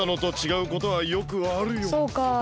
そうかあ。